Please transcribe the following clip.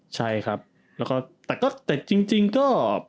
ใช่ครับแต่จริงก็